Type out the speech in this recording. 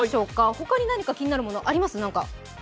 ほかに気になるものあります？